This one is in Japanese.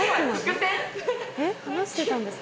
話してたんですか？